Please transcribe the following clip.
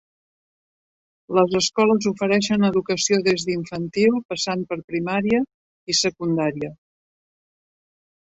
Les escoles ofereixen educació des d'infantil, passant per primària i secundària.